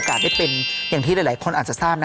คือจริงเวลาเราไปขอ